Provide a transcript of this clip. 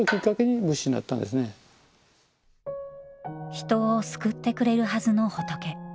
人を救ってくれるはずの仏。